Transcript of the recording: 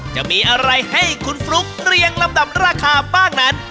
จะมีอะไรให้คุณฟลุ๊กเรียงลำดับราคาบ้างนั้น